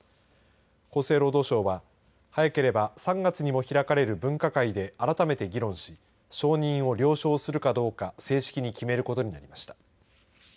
厚生労働省は早ければ３月にも開かれる分科会で改めて議論し承認を了承するかどうか正式に決めることになりました。